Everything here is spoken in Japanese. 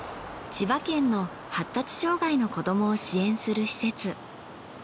千葉県の発達障害の子どもを支援する施設。